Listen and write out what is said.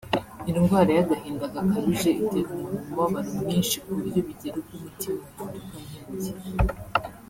Indwara y’agahinda gakabije itera umuntu umubabaro mwinshi ku buryo bigera ubwo umutima uhinduka nk’ibuye